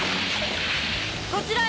こちらへ！